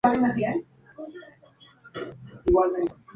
En total, dicho filme obtuvo un total de cinco distinciones.